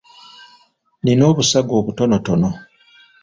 Nnina obusago obutonotono.